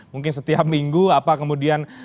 mungkin setiap minggu apa kemudian